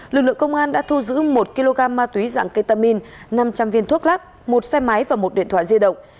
lực lượng công an đã thu giữ một kg ma túy dạng ketamin năm trăm linh viên thuốc lắc một xe máy và một điện thoại di động